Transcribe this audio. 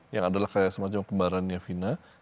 yang adalah kayak semacam kembarannya vina